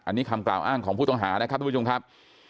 อันนี้คำกล่าวอ้างของผู้ต้องหานะครับทุกผู้ชมครับ